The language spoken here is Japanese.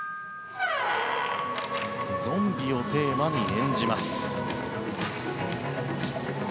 ゾンビをテーマに演じます。